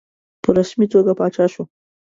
په رسمي توګه پاچا شو.